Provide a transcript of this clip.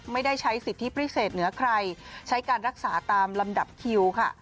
ไม่ได้ใช้สิทธิพิเศษเหนือใครใช้การรักษาตามลำดับคิวค่ะ